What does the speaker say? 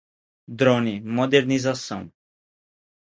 drone, modernização